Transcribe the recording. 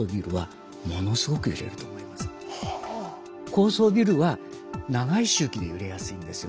高層ビルは長い周期で揺れやすいんですよね。